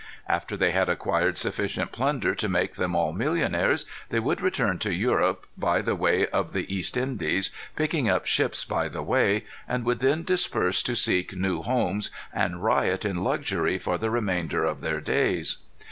After they had acquired sufficient plunder to make them all millionnaires, they would return to Europe, by the way of the East Indies, picking up ships by the way, and would then disperse to seek new homes and riot in luxury for the remainder of their days.